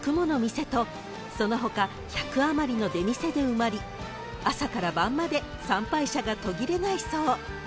店とその他１００余りの出店で埋まり朝から晩まで参拝者が途切れないそう］